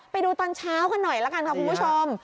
ไปดูตอนเช้ากันหน่อยละกันค่ะคุณผู้ชม